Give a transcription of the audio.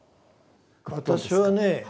私はね